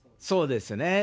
そうですね。